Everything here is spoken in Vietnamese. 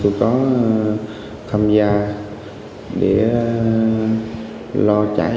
tôi có tham gia để lo chạy